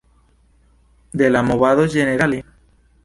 De la movado ĝenerale?